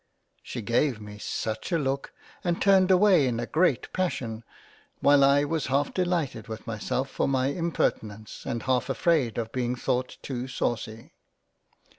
She gave me such a look, and turned away in a great passion ; while I 112 ^ A COLLECTION OF LETTERS £ was half delighted with myself for my impertinence, and half afraid of being thought too saucy.